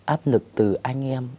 áp lực từ anh em